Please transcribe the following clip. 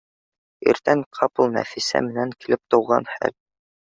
Иртән ҡапыл Нәфисә менән килеп тыуған хәл